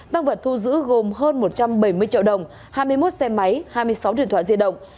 tăng vật thu giữ gồm hơn một trăm bảy mươi triệu đồng hai mươi một xe máy hai mươi sáu điện thoại di động